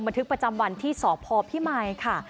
ทึกประจำวันที่สพพิมายค่ะ